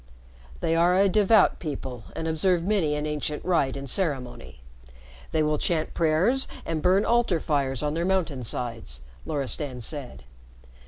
"They are a devout people and observe many an ancient rite and ceremony. They will chant prayers and burn altar fires on their mountain sides," Loristan said.